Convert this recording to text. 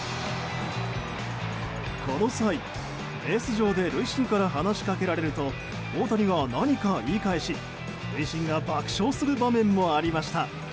この際、ベース上で塁審から話しかけられると大谷は何か言い返し塁審が爆笑する場面もありました。